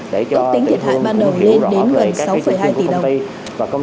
ước tính thiệt hại ban đầu lên đến gần sáu hai tỷ đồng